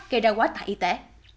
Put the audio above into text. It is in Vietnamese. gây ra quá trại y tế